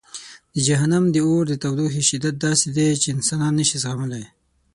د جهنم د اور د تودوخې شدت داسې دی چې انسانان نه شي زغملی.